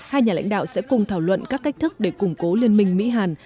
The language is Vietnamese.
hai nhà lãnh đạo sẽ cùng thảo luận các cách thức để củng cố liên minh mỹ hàn